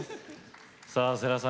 さあ世良さん